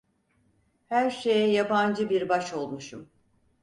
Her şeye yabancı bir baş olmuşum.